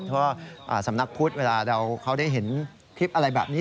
เพราะว่าสำนักพุทธเวลาเราเขาได้เห็นคลิปอะไรแบบนี้